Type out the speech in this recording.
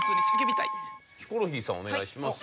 ヒコロヒーさんお願いします。